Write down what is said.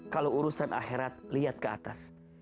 kalau urusan akhirat lihat ke atas